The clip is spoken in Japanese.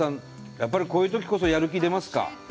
やっぱりこういうときこそやる気出ますか？